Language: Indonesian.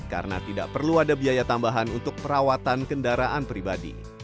karena tidak perlu ada biaya tambahan untuk perawatan kendaraan pribadi